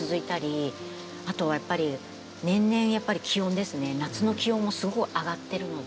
あとはやっぱり年々やっぱり気温ですね夏の気温もすごい上がってるので。